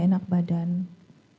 karena waktu itu saya tidak enak badan